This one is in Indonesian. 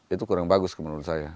itu kurang bagus menurut saya